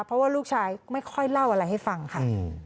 เพราะว่าลูกชายไม่ค่อยเล่าอะไรให้ฟังค่ะ